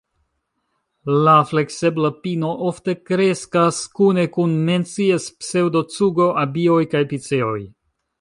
La fleksebla pino ofte kreskas kune kun Menzies-pseŭdocugo, abioj kaj piceoj.